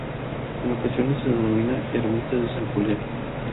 En ocasiones es denominada ermita de San Julián.